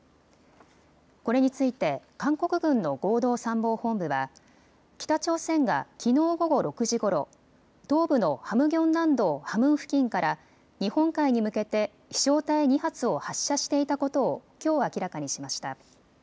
これについて韓国軍の合同参謀本部は、北朝鮮がきのう午後６時ごろ東部のハムギョン南道ハムン付近から日本海に向けて飛しょう体２発を発射していたことをきょう明らかにしました。